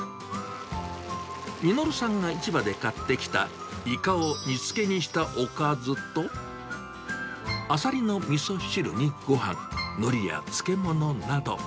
實さんが市場で買ってきたイカを煮つけにしたおかずと、アサリのみそ汁にごはん、ノリや漬物など。